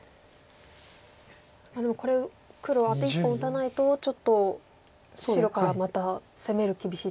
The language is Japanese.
でもこれ黒はアテ１本打たないとちょっと白からまた攻める厳しい手が。